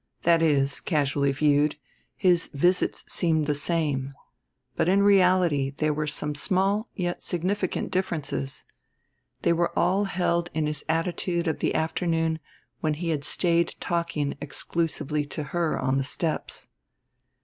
That is, casually viewed, his visits seemed the same; but in reality there were some small yet significant differences. They were all held in his attitude of the afternoon when he had stayed talking exclusively to her on the steps.